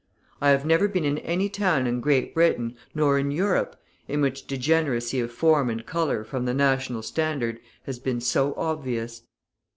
I have never been in any town in Great Britain, nor in Europe, in which degeneracy of form and colour from the national standard has been so obvious.